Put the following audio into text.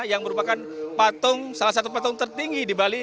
yang merupakan salah satu patung tertinggi di bali